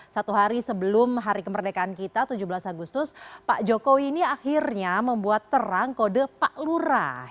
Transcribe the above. satu hari sebelum hari kemerdekaan kita tujuh belas agustus pak jokowi ini akhirnya membuat terang kode pak lurah